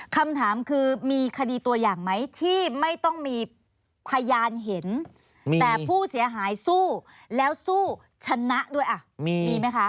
คำถามคือมีคดีตัวอย่างไหมที่ไม่ต้องมีพยานเห็นแต่ผู้เสียหายสู้แล้วสู้ชนะด้วยอ่ะมีไหมคะ